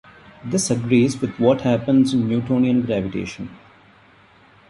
This agrees with what happens in Newtonian gravitation.